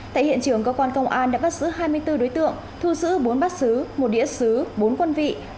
tại hiện trường cơ quan công an đã bắt giữ hai mươi bốn đối tượng thu giữ bốn bắt giữ một đĩa sứ bốn quân vị